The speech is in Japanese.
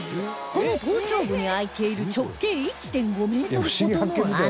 この頭頂部に開いている直径 １．５ メートルほどの穴